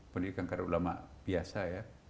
pendidikan karakter ulama biasa ya